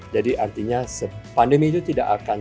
jadi artinya pandemi itu tidak akan